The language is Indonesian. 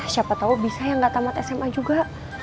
siapa tahu bisa yang gak tamat sma juga